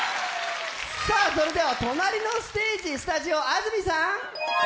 それでは隣のステージスタジオ、安住さん！